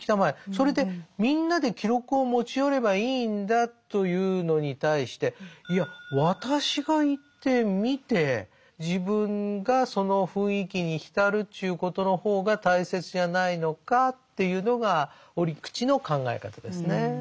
それでみんなで記録を持ち寄ればいいんだというのに対していや私が行って見て自分がその雰囲気に浸るっちゅうことの方が大切じゃないのかっていうのが折口の考え方ですね。